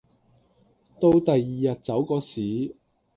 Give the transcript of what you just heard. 到第二日走個時